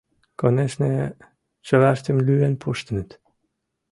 Конешне, чылаштым лӱен пуштыныт.